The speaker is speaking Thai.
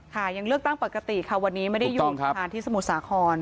ยังเลือกตั้งปกติค่ะวันนี้ไม่ได้อยู่สะพานที่สมุทรสาคร